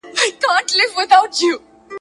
د غریب ملا په آذان څوک روژه هم نه ماتوي !.